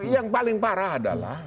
yang paling parah adalah